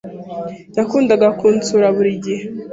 Yakundaga kunsura buri gihe.